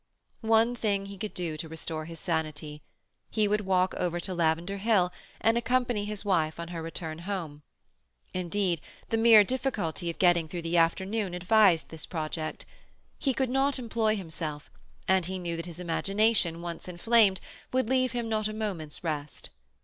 One thing he could do to restore his sanity. He would walk over to Lavender Hill, and accompany his wife on her return home. Indeed, the mere difficulty of getting through the afternoon advised this project. He could not employ himself, and knew that his imagination, once inflamed, would leave him not a moment's rest.